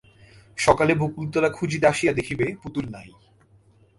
সকালে বকুলতলা খুঁজিতে আসিয়া দেখিবে পুতুল নাই।